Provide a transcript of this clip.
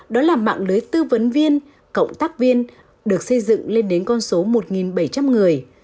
đó là mạng lưới tư vấn viên cộng tác viên được xây dựng lên đến con số một bảy trăm linh người